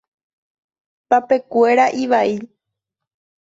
Tapekuéra ivai.